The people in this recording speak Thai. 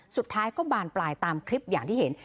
สุดท้ายก็บานปลายตามคลิปอย่างที่เห็น